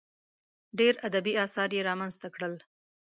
ډېر ادبي اثار یې رامنځته کړل.